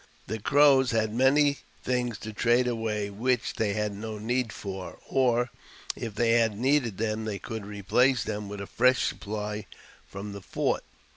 The Crows had many things to trade away which they had no need for, or, if they had needed them, they could replace them with a fresh supply from the fort.